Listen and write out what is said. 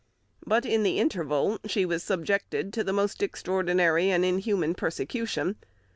But in the interval she was subjected to the most extraordinary and inhuman persecution.